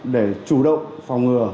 để chủ động phòng ngừa